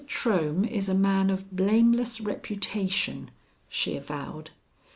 Trohm is a man of blameless reputation," she avowed.